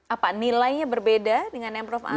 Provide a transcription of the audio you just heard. apa nilainya berbeda dengan yang prof amin